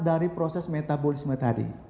dari proses metabolisme tadi